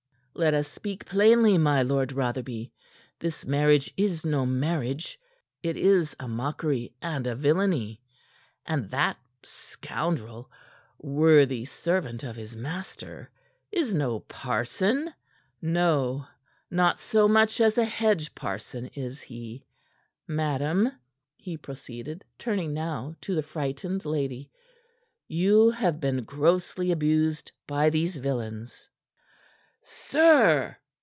"Let us speak plainly, my Lord Rotherby. This marriage is no marriage. It is a mockery and a villainy. And that scoundrel worthy servant of his master is no parson; no, not so much as a hedge parson is he. Madame," he proceeded, turning now to the frightened lady, "you have been grossly abused by these villains." "Sir!"